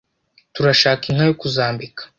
Turashaka inka yo kuzambika